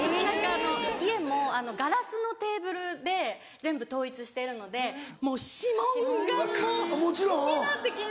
家もガラスのテーブルで全部統一してるのでもう指紋がもう気になって気になって。